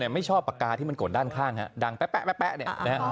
ไม่ชอบปากกาที่มันกดด้านข้างดังแป๊ะเนี่ยนะฮะ